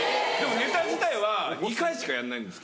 ネタ自体は２回しかやんないんですけど。